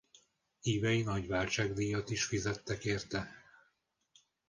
Hívei nagy váltságdíjat is fizettek érte.